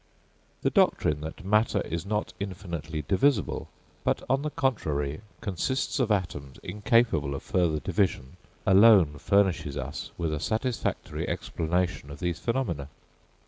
The doctrine that matter is not infinitely divisible, but on the contrary, consists of atoms incapable of further division, alone furnishes us with a satisfactory explanation of these phenomena.